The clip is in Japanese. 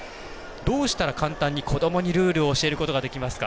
どうしたら簡単に、子どもにルールを教えることできますか？